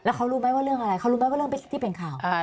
เขารู้ไหมว่าเรื่องอะไรเขารู้ไหมว่าเรื่องที่เป็นข่าว